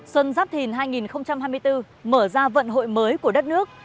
xuân giáp thìn hai nghìn hai mươi bốn mở ra vận hội mới của đất nước